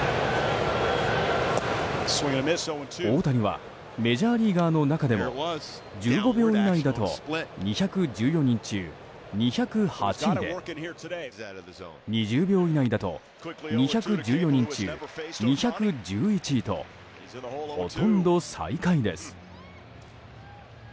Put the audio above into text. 大谷はメジャーリーガーの中でも１５秒以内だと２１４人中２０８位で２０秒以内だと２１４人中２１１位とほとんど最下位です。